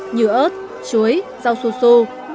như ớt chuối rau su su